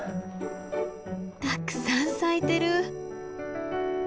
たくさん咲いてる！